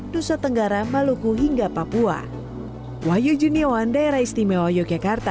nusa tenggara maluku hingga papua wahyu juniawan daerah istimewa yogyakarta